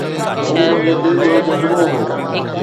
هو منهنجي دل جو جذبو هو